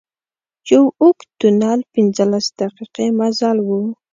یو اوږد تونل پنځلس دقيقې مزل و.